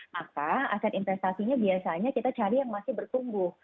maka aset investasinya biasanya kita cari yang masih bertumbuh